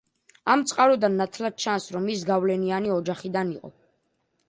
ამ წყაროდან ნათლად ჩანს, რომ ის გავლენიანი ოჯახიდან იყო.